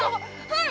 はい！